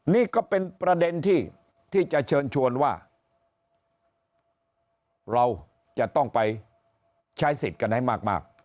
นี่ก็เป็นประเด็นที่จะเชิญชวนว่าเราจะต้องไปใช้สิทธิ์กันให้มาก